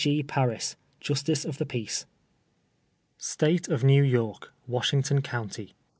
G. Paris, Justice of the Peace. State of New York : Washuigton County, ss.